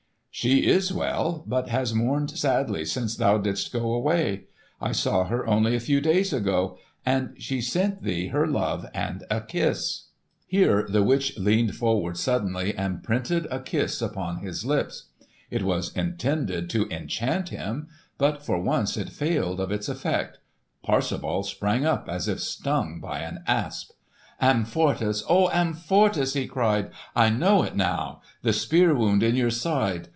"She is well, but has mourned sadly since thou didst go away. I saw her only a few days ago, and she sent thee her love and a kiss." Here the witch leaned forward suddenly and printed a kiss upon his lips. It was intended to enchant him, but for once it failed of its effect. Parsifal sprang up as if stung by an asp. "Amfortas! O Amfortas!" he cried. "I know it now! The spear wound in your side!